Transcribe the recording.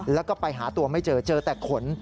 แล้วก็ไปหาตัวไม่เจอเจอแต่ขน